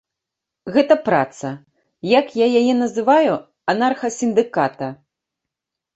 Гэта праца, як я яе называю, анарха-сіндыката.